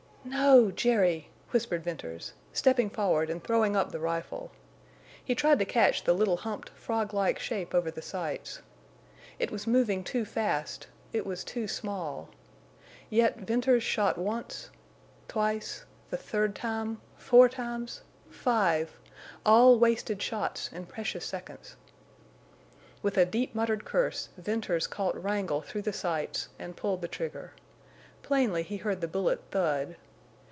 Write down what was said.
"No—Jerry!" whispered Venters, stepping forward and throwing up the rifle. He tried to catch the little humped, frog like shape over the sights. It was moving too fast; it was too small. Yet Venters shot once... twice... the third time... four times... five! All wasted shots and precious seconds! With a deep muttered curse Venters caught Wrangle through the sights and pulled the trigger. Plainly he heard the bullet thud.